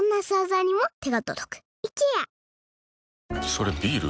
それビール？